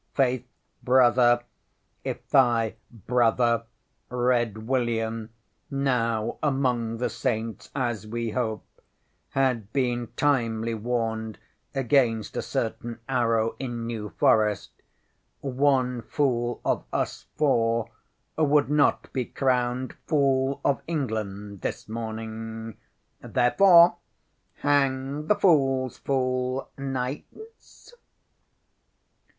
ŌĆśFaith, Brother, if thy Brother, Red William, now among the Saints as we hope, had been timely warned against a certain arrow in New Forest, one fool of us four would not be crowned fool of England this morning. Therefore, hang the foolŌĆÖs fool, knights!